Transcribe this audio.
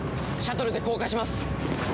シャトルで降下します！